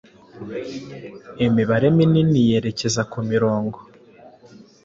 Imibare minini yerekezakumirongo